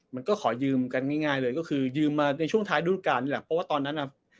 มันก็ขอยืมกันง่ายเลยก็คือยืมมาในช่วงท้ายรุ่นการนี่แหละเพราะว่าตอนนั้นอ่ะ